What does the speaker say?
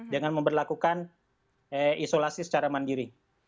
dengan memperlakukan isolasi secara mandiri